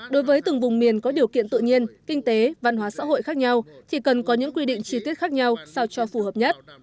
đối với từng vùng miền có điều kiện tự nhiên kinh tế văn hóa xã hội khác nhau thì cần có những quy định chi tiết khác nhau sao cho phù hợp nhất